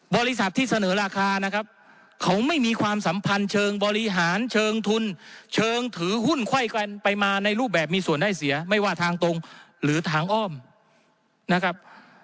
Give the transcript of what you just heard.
บริษัทที่เสนอราคานะครับเขาไม่มีความสัมพันธ์เชิงบริหารเชิงทุนเชิงถือหุ้นไข้กันไปมาในรูปแบบมีส่วนได้เสียไม่ว่าทางตรงหรือทางอ้อมนะครับ